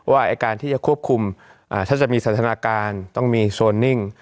ว่าการที่จะควบคุมถ้าจะมีสันทนาการต้องมีโซนนิ่ง